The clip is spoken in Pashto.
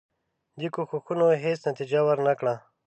دې کوښښونو هیڅ نتیجه ورنه کړه.